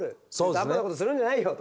半端なことするんじゃないよと。